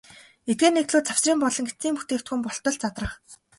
Эдгээр нэгдлүүд завсрын болон эцсийн бүтээгдэхүүн болтол задрах.